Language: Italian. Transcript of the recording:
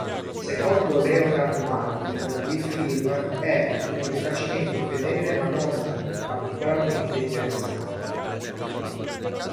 Secondo Leonard Maltin il film è "un rifacimento fedele ma non particolarmente interessante".